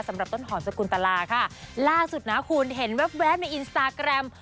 สำหรับต้นหอมสกุลตลาค่ะล่าสุดนะคุณเห็นแว๊บในอินสตาแกรม